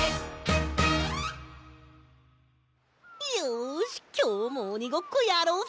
よしきょうもおにごっこやろうぜ！